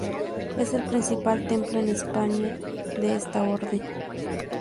Es el principal templo en España de esta Orden.